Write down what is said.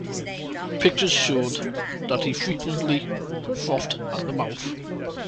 Pictures show that he frequently frothed at the mouth.